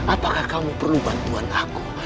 apakah kamu perlu bantuan aku